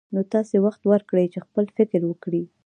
نو تاسې وخت ورکړئ چې خپل فکر وکړي.